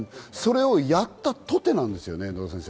やったとて、なんですよね。